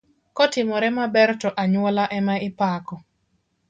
Kotimore maber to anyuola ema ipako.